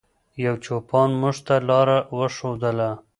یو چوپان موږ ته لاره وښودله.